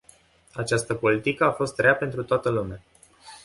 Această politică a fost rea pentru toată lumea.